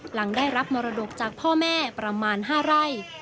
หลังได้รับมรดกจากพ่อแม่ประมาณ๕ไร่